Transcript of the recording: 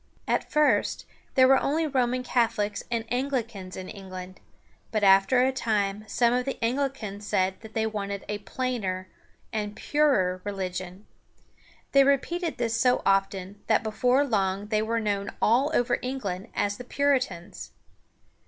At first there were only Roman Catholics and Anglicans in England. But after a time some of the Anglicans said that they wanted a plainer and purer religion. They repeated this so often that before long they were known all over England as the Pu´ri tans.